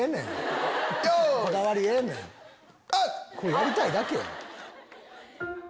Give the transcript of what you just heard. やりたいだけやん。